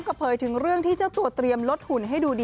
พร้อมกับเผยถึงเรื่องที่จะตรวจเตรียมลดหุ่นให้ดูดี